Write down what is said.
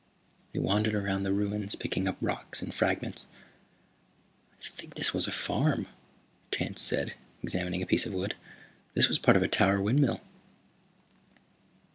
They wandered around the ruins, picking up rocks and fragments. "I think this was a farm," Tance said, examining a piece of wood. "This was part of a tower windmill."